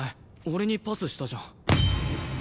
俺にパスしたじゃん。